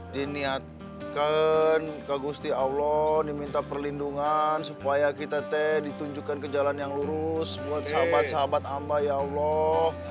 diniatkan kak gusti allah diminta perlindungan supaya kita teh ditunjukkan ke jalan yang lurus buat sahabat sahabat amba ya allah